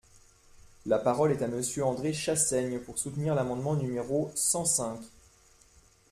La parole est à Monsieur André Chassaigne, pour soutenir l’amendement numéro cent cinq.